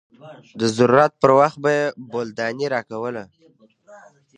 د ضرورت پر وخت به يې بولدانۍ راکوله.